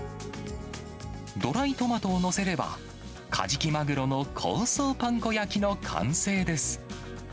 ドライトマトを載せれば、カジキマグロの香草パン粉焼きの完成です。